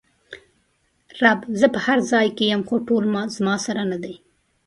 رب: زه په هر ځای کې ېم خو ټول زما سره ندي!